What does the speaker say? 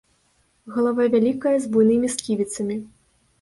Галава вялікая, з буйнымі сківіцамі.